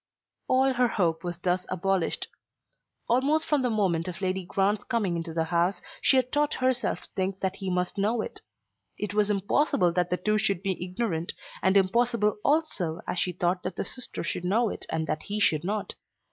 All her hope was thus abolished. Almost from the moment of Lady Grant's coming into the house she had taught herself to think that he must know it. It was impossible that the two should be ignorant, and impossible also as she thought that the sister should know it and that he should not.